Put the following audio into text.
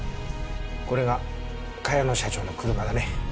これが茅野社長の車だね。